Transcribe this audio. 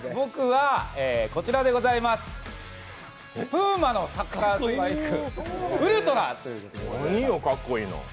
僕は、ＰＵＭＡのサッカースパイク、ウルトラということでございます。